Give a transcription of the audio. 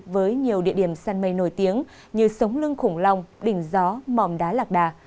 với nhiều địa điểm sân mây nổi tiếng như sống lưng khủng long đỉnh gió mòm đá lạc đà